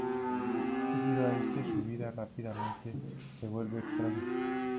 Debido a esto, su vida rápidamente se vuelve extraña.